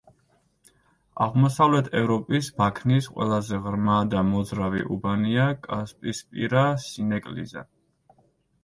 აღმოსავლეთ ევროპის ბაქნის ყველაზე ღრმა და მოძრავი უბანია კასპიისპირა სინეკლიზა.